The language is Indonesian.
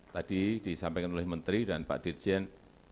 tadi disampaikan oleh menteri dan pak dirjen